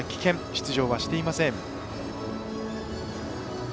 出場はしていません。